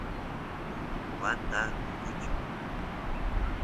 waata mikuchiy